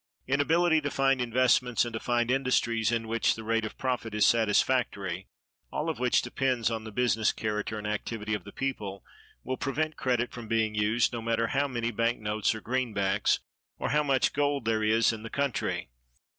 Inability to find investments and to find industries in which the rate of profit is satisfactory—all of which depends on the business character and activity of the people—will prevent credit from being used, no matter how many bank notes, or greenbacks, or how much gold there is in the country.